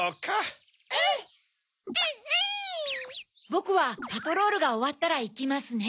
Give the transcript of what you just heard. ぼくはパトロールがおわったらいきますね。